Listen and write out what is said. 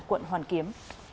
quận hoàn kiếm